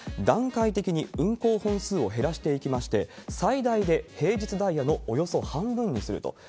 段階的に運行本数を減らしていきまして、最大で平日ダイヤのおよそ半分にすると。